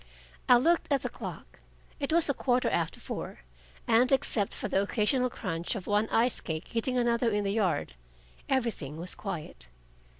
I looked at the clock. It was a quarter after four, and except for the occasional crunch of one ice cake hitting another in the yard, everything was quiet.